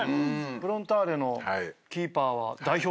フロンターレのキーパーは代表でしょ。